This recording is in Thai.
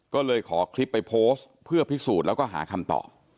ก็เลยขอคลิปไปโพสต์เพื่อพิสูจน์แล้วก็หาคำตอบ